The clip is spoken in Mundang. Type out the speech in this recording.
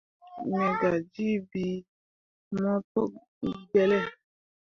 Me gah jii bii mo pu gbelle.